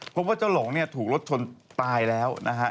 พบว่าเจ้าหลงเนี่ยถูกรถชนตายแล้วนะฮะ